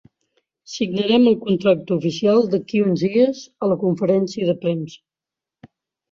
Signarem el contracte oficial d'aquí uns dies, a la conferència de premsa.